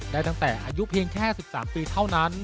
ได้ตั้งแต่อายุเพียงแค่๑๓ปีเท่านั้น